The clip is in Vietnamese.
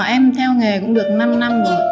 em theo nghề cũng được năm năm rồi